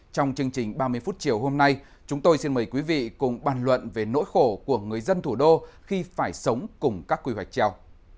trong chương trình ba mươi phút chiều hôm nay chúng tôi xin mời quý vị cùng bàn luận về nỗi khổ của người dân thủ đô khi phải sống cùng các quy hoạch treo